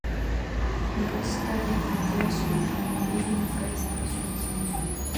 In both studies, interpretation and meaning based tests proved difficult for the hyperlexic subjects.